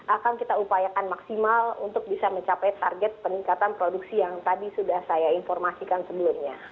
akan kita upayakan maksimal untuk bisa mencapai target peningkatan produksi yang tadi sudah saya informasikan sebelumnya